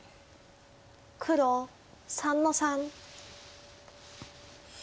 黒３の三。